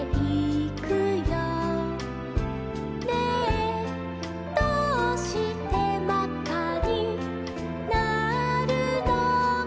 「ねぇどうしてまっかになるのかな」